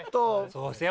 そうですね